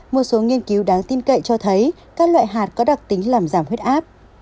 một số nghiên cứu đáng tin cậy cho thấy các loại hạt có đặc tính làm giảm huyết áp